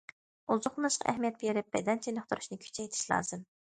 ئوزۇقلىنىشقا ئەھمىيەت بېرىپ، بەدەن چېنىقتۇرۇشنى كۈچەيتىش لازىم.